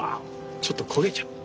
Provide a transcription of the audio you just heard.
ちょっと焦げちゃった。